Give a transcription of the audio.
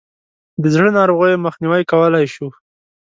د زړه ناروغیو مخنیوی کولای شو.